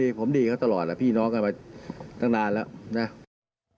ความดีเขาตลอดพี่น้องกันมาตั้งนานแล้ว